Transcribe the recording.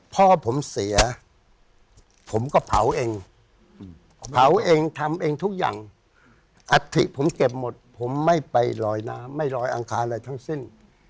พ่อผมเสียผมก็เผาเองเผาเองทำเองทุกอย่างอัฐิผมเก็บหมดผมไม่ไปลอยน้ำไม่ลอยอังคารอะไรทั้งสิ้น